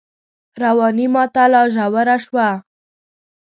رواني ماته لا ژوره شوه